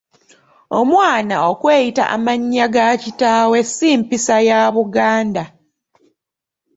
Omwana okweyita amannya ga kitaawe si mpisa ya Buganda.